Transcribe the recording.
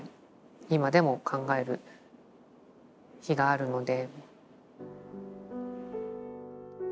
今でも考える日があるので。